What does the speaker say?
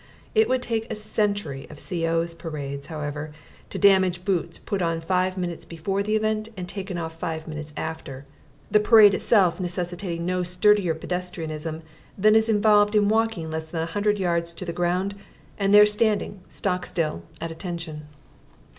It would take a century of C.O.'s parades, however, to damage boots put on five minutes before the event and taken off five minutes after: the parade itself necessitating no sturdier pedestrianism than is involved in walking less than a hundred yards to the ground and there standing stock still at attention.